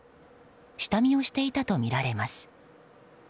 下見をしていたとみられます。